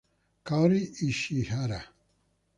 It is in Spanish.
Kaori Ishihara